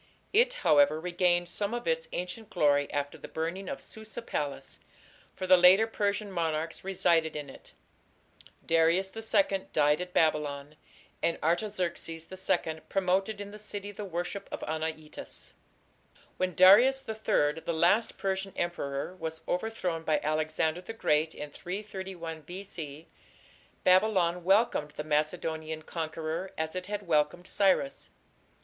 It, however, regained some of its ancient glory after the burning of Susa palace, for the later Persian monarchs resided in it. Darius II died at Babylon, and Artaxerxes II promoted in the city the worship of Anaitis. When Darius III, the last Persian emperor, was overthrown by Alexander the Great in 331 B.C., Babylon welcomed the Macedonian conqueror as it had welcomed Cyrus.